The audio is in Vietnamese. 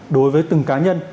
đối với từng cá nhân